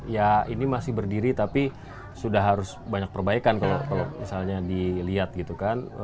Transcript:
ya ini masih berdiri tapi sudah harus banyak perbaikan kalau misalnya dilihat gitu kan